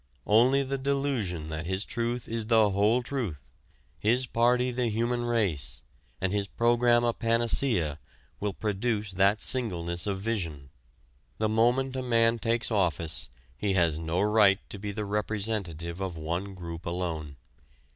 Only the delusion that his truth is the whole truth, his party the human race, and his program a panacea, will produce that singleness of vision. The moment a man takes office he has no right to be the representative of one group alone.